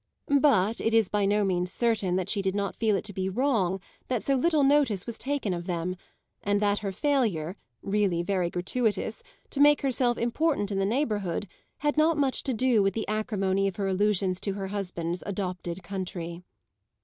But it is by no means certain that she did not feel it to be wrong that so little notice was taken of them and that her failure (really very gratuitous) to make herself important in the neighbourhood had not much to do with the acrimony of her allusions to her husband's adopted country.